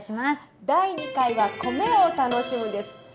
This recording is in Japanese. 第２回は「米を楽しむ」です。